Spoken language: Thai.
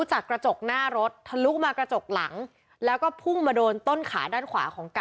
จากกระจกหน้ารถถลุกมากระจกหลังแล้วก็พุ่งมาโดนต้นขาด้าน